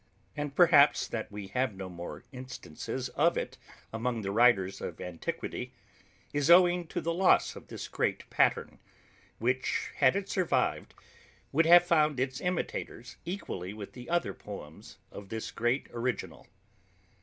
And perhaps, that we have no more instances of it among the writers of antiquity, is owing to the loss of this great pattern, which, had it survived, would have found its imitators equally with the other poems of this great original.